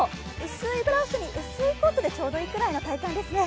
薄いブラウスに薄いコートでちょうどいいくらいの体感ですね。